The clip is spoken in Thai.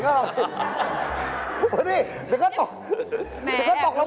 เหรอเอาหรือยัง